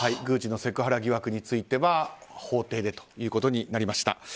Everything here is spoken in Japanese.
宮司のセクハラ疑惑については法廷でとなりました。